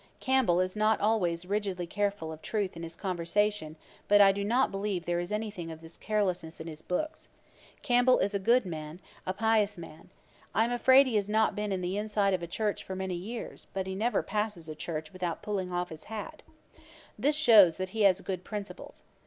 Campbell is not always rigidly careful of truth in his conversation; but I do not believe there is any thing of this carelessness in his books. Campbell is a good man, a pious man. I am afraid he has not been in the inside of a church for many years; but he never passes a church without pulling off his hat. This shews that he has good principles.